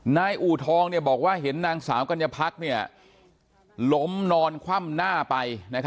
อูทองบอกว่าเห็นนางสาวกัญญาพักล้มนอนคว่ำหน้าไป